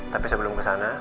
tapi sebelum kesana